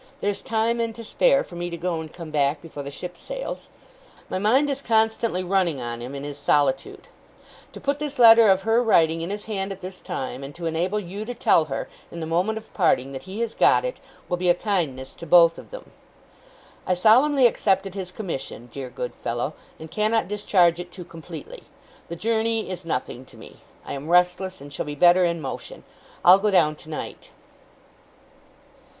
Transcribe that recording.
There's time, and to spare, for me to go and come back before the ship sails. My mind is constantly running on him, in his solitude; to put this letter of her writing in his hand at this time, and to enable you to tell her, in the moment of parting, that he has got it, will be a kindness to both of them. I solemnly accepted his commission, dear good fellow, and cannot discharge it too completely. The journey is nothing to me. I am restless, and shall be better in motion. I'll go down tonight.